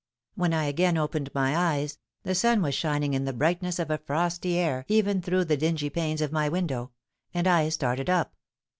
"When I again opened my eyes, the sun was shining in the brightness of a frosty air even through the dingy panes of my window; and I started up.